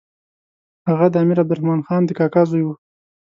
هغه د امیر عبدالرحمن خان د کاکا زوی وو.